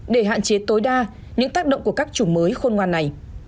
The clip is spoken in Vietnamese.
để hạn chế tối đa những tác động của các chủng mới khôn ngoan này